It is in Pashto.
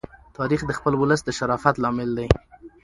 تاریخ د خپل ولس د شرافت لامل دی.